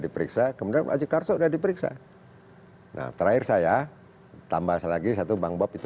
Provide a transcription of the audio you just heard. diperiksa kemudian haji karso sudah diperiksa terakhir saya tambah lagi satu bang bob itu